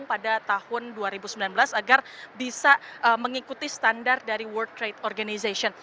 pada tahun dua ribu sembilan belas agar bisa mengikuti standar dari world trade organization